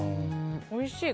おいしい。